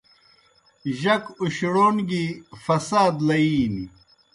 جک اُشڑَون گیْ فساد لئِینیْ۔